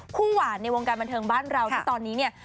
หวานในวงการบันเทิงบ้านเราที่ตอนนี้เนี่ย